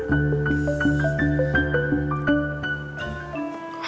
ini untuk kau man